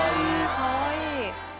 かわいい。